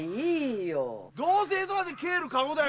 どうせ江戸まで帰る駕籠だ。